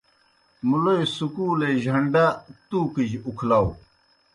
مُلوئے سُکولے جھنڈا تُوکِجیْ اُکھلاؤ۔